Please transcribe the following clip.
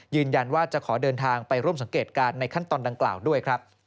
ยืนยันว่าจะขอเดินทางไปร่วมสังเกตการณ์ในขั้นตอนดังกล่าวด้วยครับ